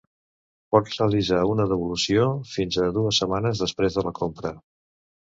Pot realitzar una devolució fins a dues setmanes després de la compra.